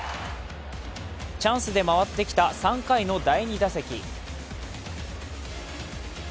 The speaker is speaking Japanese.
チャンスで回ってきた３回の第２打席。